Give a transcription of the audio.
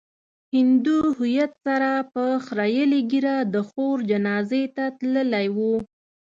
هندو هويت سره په خريلې ږيره د خور جنازې ته تللی و.